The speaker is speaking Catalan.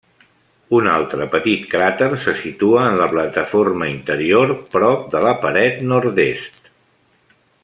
Un altre petit cràter se situa en la plataforma interior prop de la paret nord-est.